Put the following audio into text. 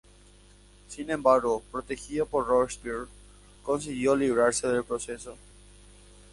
Sin embargo, protegido por Robespierre, consiguió librarse del proceso.